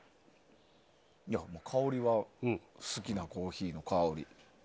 香りは好きなコーヒーの香り。